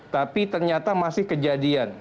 tapi ternyata masih kejadian